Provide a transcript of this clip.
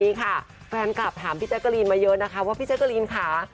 นี่ค่ะแฟนคลับถามพี่แจ๊กกะลีนมาเยอะนะคะว่าพี่แจกรีนค่ะ